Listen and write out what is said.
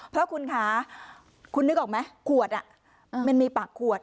เพราะคุณคะคุณนึกออกไหมขวดมันมีปากขวด